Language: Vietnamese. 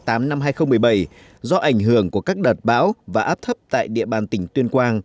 tháng sáu đến tháng tám năm hai nghìn một mươi bảy do ảnh hưởng của các đợt bão và áp thấp tại địa bàn tỉnh tuyên quang